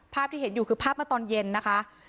ภาพที่เห็นอยู่คือภาพเมื่อตอนเย็นนะคะ